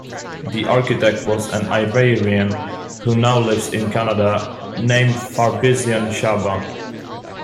The architect was an Iranian, who now lives in Canada, named Fariborz Sahba.